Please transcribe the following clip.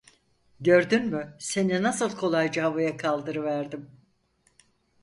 Gördün mü seni nasıl kolayca havaya kaldırıverdim…